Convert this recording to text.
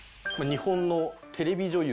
「日本のテレビ女優